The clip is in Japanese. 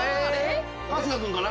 春日君かな？